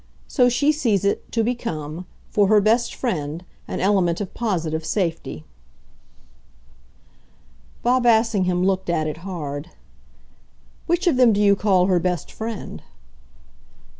"So she sees it to become, for her best friend, an element of POSITIVE safety." Bob Assingham looked at it hard. "Which of them do you call her best friend?"